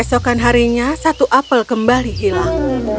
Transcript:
keesokan harinya satu apel kembali hilang